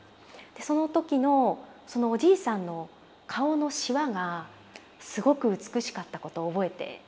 その時のそのおじいさんの顔のしわがすごく美しかったことを覚えているんですよね。